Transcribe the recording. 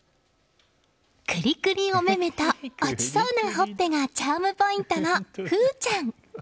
くりくりお目目と落ちそうなほっぺがチャームポイントの風音ちゃん。